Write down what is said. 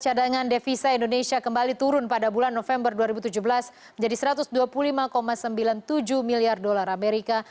cadangan devisa indonesia kembali turun pada bulan november dua ribu tujuh belas menjadi satu ratus dua puluh lima sembilan puluh tujuh miliar dolar amerika